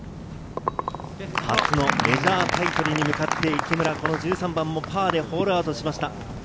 初のメジャータイトルに向かって池村、１３番もパーでホールアウトしました。